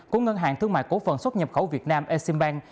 của ngân hàng thương mại cổ phần xuất nhập khẩu việt nam eximbank